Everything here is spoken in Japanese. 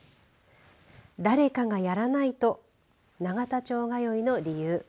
誰かがやらないと永田町通いの理由。